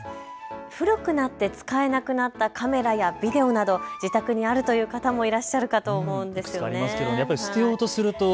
古くなって使えなくなったカメラやビデオなど自宅にあるという方もいらっしゃるかと思うんですよね。